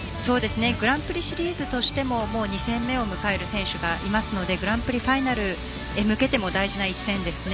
グランプリシリーズとしても２戦目を迎える選手がいますのでグランプリファイナルに向けても大事な一戦ですね。